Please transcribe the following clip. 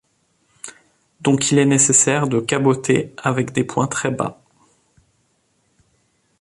Donc il est nécessaire de caboter avec des points très bas.